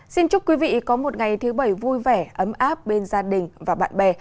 xin chúc quý vị có một ngày thứ bảy vui vẻ ấm áp bên gia đình và bạn bè